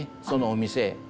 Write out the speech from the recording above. そのお店へ。